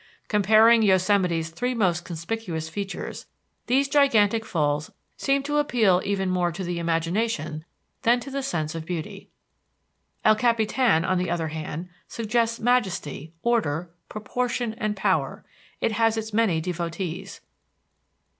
Comparing Yosemite's three most conspicuous features, these gigantic falls seem to appeal even more to the imagination than to the sense of beauty. El Capitan, on the other hand, suggests majesty, order, proportion, and power; it has its many devotees.